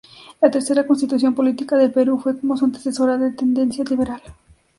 La tercera Constitución Política del Perú fue, como su antecesora, de tendencia liberal.